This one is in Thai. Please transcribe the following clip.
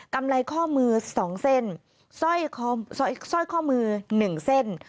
ำไรข้อมือ๒เส้นสร้อยข้อมือ๑เส้น